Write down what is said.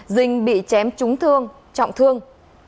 dinh bị chém trúng thương trọng thương